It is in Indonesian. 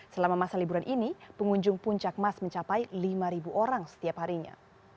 selama masa liburan ini pengunjung puncak mas mencapai lima orang setiap harinya